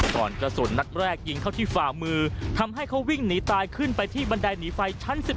กระสุนนัดแรกยิงเข้าที่ฝ่ามือทำให้เขาวิ่งหนีตายขึ้นไปที่บันไดหนีไฟชั้น๑๑